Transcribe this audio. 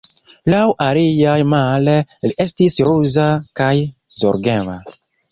Laŭ aliaj, male, li estis ruza kaj zorgema.